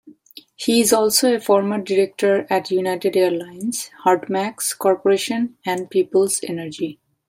He is also a former director at United Airlines, Hartmarx Corporation and Peoples Energy.